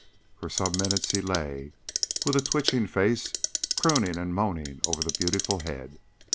For some minutes he lay, with a twitching face, crooning and moaning over the beautiful head.